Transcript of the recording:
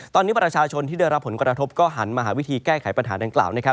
ตอนนี้ประชาชนที่ได้รับผลกระทบก็หันมาหาวิธีแก้ไขปัญหาดังกล่าวนะครับ